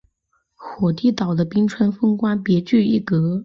火地岛的冰川风光别具一格。